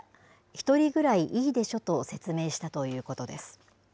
１人ぐらいいいでしょと説明したということです。